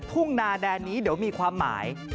ทุ่งนาแดนนี้เดี๋ยวมีความหมาย